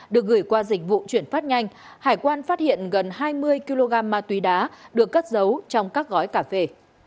được gửi qua dịch vụ chuyển phát nhanh hải quan phát hiện gần hai mươi kg ma túy đá được cất giấu trong các gói cà phê